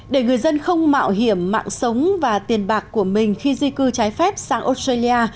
để người dân không mạo hiểm mạng sống và tiền bạc của mình khi di cư trái phép sang australia